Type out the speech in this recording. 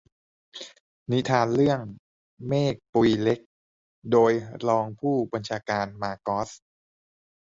นิทานเรื่อง "เมฆปุยเล็ก" โดยรองผู้บัญชาการมาร์กอส